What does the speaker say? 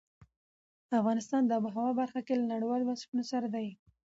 افغانستان د آب وهوا برخه کې له نړیوالو بنسټونو سره دی.